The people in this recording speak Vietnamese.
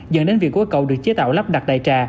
dẫn đến việc gối cầu được chế tạo lắp đặt đại trà